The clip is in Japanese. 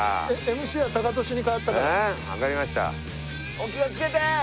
お気をつけて！